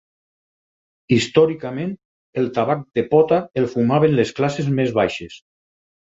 Històricament, el tabac de pota el fumaven les classes més baixes.